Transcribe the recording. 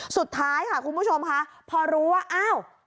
สุดท้ายค่ะคุณผู้ชมค่ะพอรู้ว่าอ้าว